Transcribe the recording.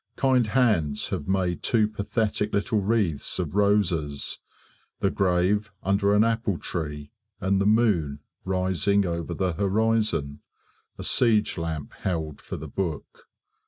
Kind hands have made two pathetic little wreaths of roses; the grave under an apple tree, and the moon rising over the horizon; a siege lamp held for the book.